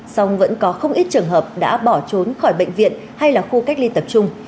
song vẫn có không ít trường hợp đã bỏ trốn khỏi bệnh viện hay là khu cách ly tập trung